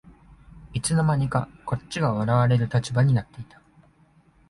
いつの間にかこっちが笑われる立場になってた